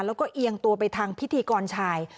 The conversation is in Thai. แล้วก็เอียงตัวไปทางพิธีกรชาย